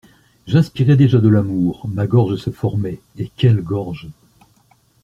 J’inspirais déjà de l’amour, ma gorge se formait, et quelle gorge!